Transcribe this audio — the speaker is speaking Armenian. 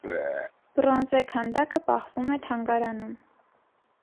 Բրոնզե քանդակը պահվում է թանգարանում։